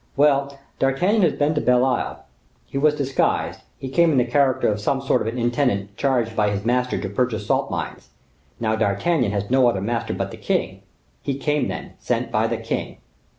Well, D'Artagnan has been to Belle Isle; he was disguised; he came in the character of some sort of an intendant, charged by his master to purchase salt mines. Now, D'Artagnan has no other master but the king: he came, then, sent by the king.